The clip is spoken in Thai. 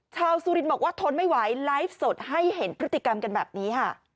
สุรินทร์บอกว่าทนไม่ไหวไลฟ์สดให้เห็นพฤติกรรมกันแบบนี้ค่ะ